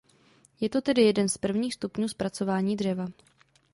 Je to tedy jeden z prvních stupňů zpracování dřeva.